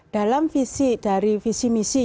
dalam visi dari visi misi yang selalu